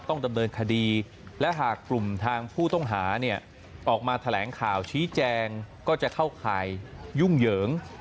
ต้องดำเนินคดีและหากกลุ่มทางผู้ต้องหาเนี่ยออกมาแถลงข่าวชี้แจงก็จะเข้าข่ายยุ่งเหยิง